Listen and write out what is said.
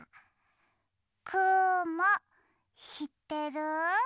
くもしってる？